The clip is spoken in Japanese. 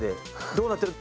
どうなってる？